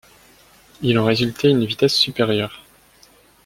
Ils en résultait une vitesse supérieure.